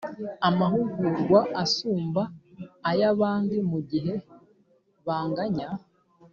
amahugurwa asumba ay abandi Mu gihe banganya